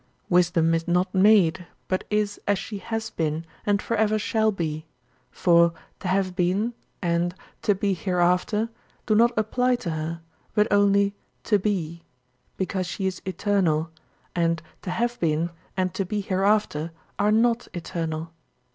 Wisdom is not made, but is as she has been and forever shall be; for "to have been" and "to be hereafter" do not apply to her, but only "to be," because she is eternal and "to have been" and "to be hereafter" are not eternal.